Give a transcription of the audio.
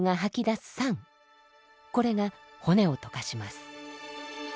これが骨を溶かします。